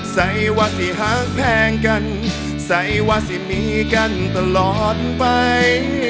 ใส่ว่าสี่หักแพงกันใส่ว่าสี่มีกันตลอดไป